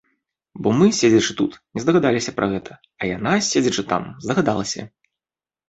Бо мы, седзячы тут, не здагадаліся пра гэта, а яна, седзячы там, здагадалася.